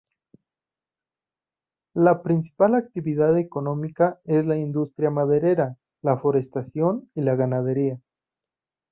La principal actividad económica es la industria maderera, la forestación y la ganadería.